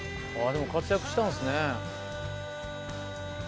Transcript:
でも活躍したんですね